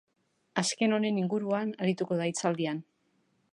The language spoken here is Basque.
Azken honen inguruan arituko da hitzaldian.